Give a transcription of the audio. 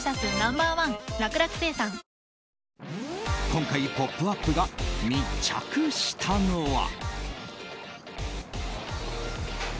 今回、「ポップＵＰ！」が密着したのは。